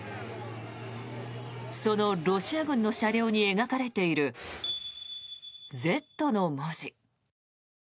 そのロシア軍の車両に描かれている、「Ｚ」の文字。